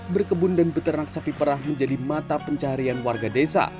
berkebun dan beternak sapi perah menjadi mata pencaharian warga desa